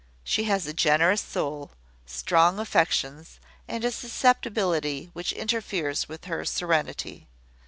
She has a generous soul, strong affections, and a susceptibility which interferes with her serenity.